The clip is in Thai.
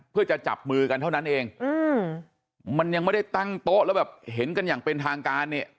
เพื่อจะจับมือกันเท่านั้นเองอืมมันยังไม่ได้ตั้งโต๊ะแล้วแบบเห็นกันอย่างเป็นทางการเนี่ย